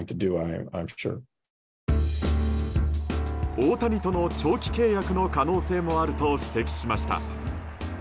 大谷との長期契約の可能性もあると指摘しました。